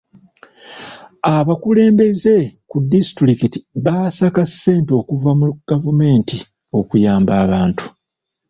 Abakulembeze ku disitulikiti baasaka ssente okuva mu gavumenti okuyamba abantu.